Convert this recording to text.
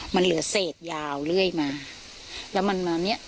มันเหลือเศษยาวเรื่อยมาแล้วมันมาเนี้ย